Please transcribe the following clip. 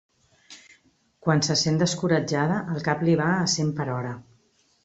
Quan se sent descoratjada el cap li va a cent per hora.